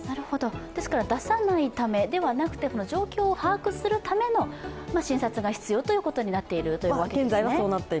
ですから出さないためではなくて、状況を把握するための診察が必要ということになっているわけですね。